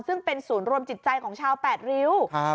ซึ่งเป็นศูนย์รวมจิตใจของชาวแปดริ้ว